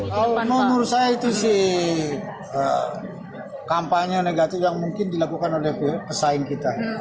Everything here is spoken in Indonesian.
kalau menurut saya itu sih kampanye negatif yang mungkin dilakukan oleh pesaing kita